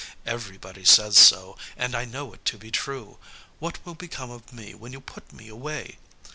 Everybody says so, and I know it to be true. What will become of me when you put me away!